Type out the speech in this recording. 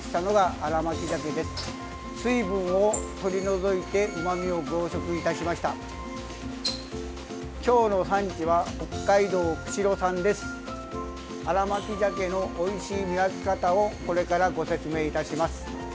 新巻鮭のおいしい見分け方をこれからご説明いたします。